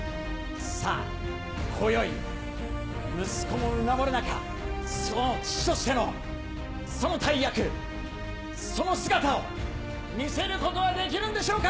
さあ、こよい、息子も見守る中、その父としてのその大役、その姿を見せることはできるんでしょうか。